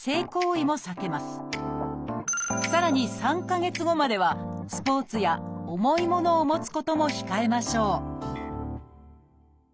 さらに３か月後まではスポーツや重いものを持つことも控えましょう